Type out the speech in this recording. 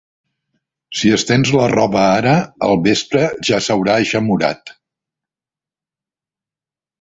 Si estens la roba ara, al vespre ja s'haurà eixamorat.